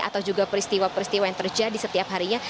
atau juga peristiwa peristiwa yang terjadi setiap harinya